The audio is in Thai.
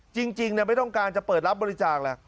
จริงเนี่ยไม่ต้องการจะเปิดรับบริจาคแล้ว